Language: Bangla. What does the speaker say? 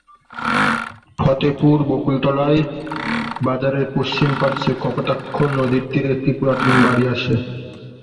ফতেপুর বকুলতলায় বাজারের পশ্চিম পার্শ্বে কপোতাক্ষ নদীর তীরে একটি পুরাতন বাড়ি আছে।